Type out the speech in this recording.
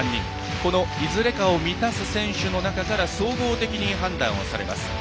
このいずれかを満たす選手の中から総合的に判断をされます。